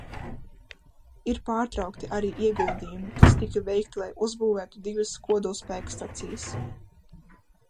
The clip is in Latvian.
Ir pārtraukti arī ieguldījumi, kas tika veikti, lai uzbūvētu divas kodolspēkstacijas.